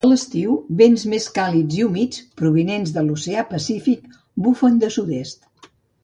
A l’estiu, vents més càlids i humits, provinents de l’oceà Pacífic, bufen de sud-est.